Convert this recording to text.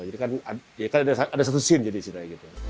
jadi kan ada satu scene jadi sih